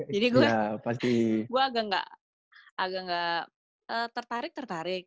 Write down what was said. jadi gue agak gak tertarik tertarik